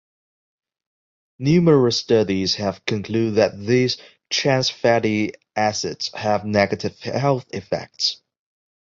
Numerous studies have concluded that these "trans" fatty acids have negative health effects.